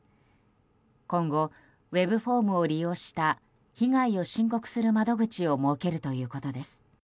今後、ウェブフォームを利用した被害を申告する窓口を設けるということです。